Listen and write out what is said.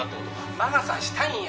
「魔が差したんや。